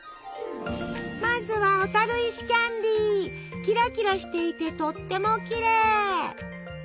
まずはキラキラしていてとってもきれい！